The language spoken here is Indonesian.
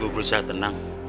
gue bersih tenang